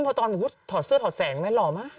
พอตอนข้าถอดเสื้อถอดแสงเนี่ยหล่อมาก